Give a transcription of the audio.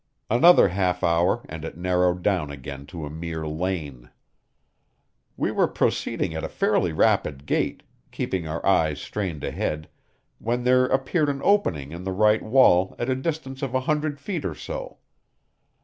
Another half hour and it narrowed down again to a mere lane. We were proceeding at a fairly rapid gait, keeping our eyes strained ahead, when there appeared an opening in the right wall at a distance of a hundred feet or so.